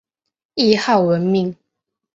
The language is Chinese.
谥号文敏。